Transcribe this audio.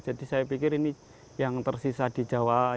jadi saya pikir ini yang tersisa di jawa